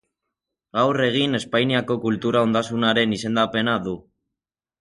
Gaur egin Espainiako Kultura ondasunaren izendapena du.